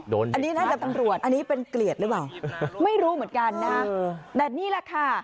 โดนเด็ดนะครับอันนี้เป็นเกลียดหรือเปล่าไม่รู้เหมือนกันนะแต่นี่แหละค่ะ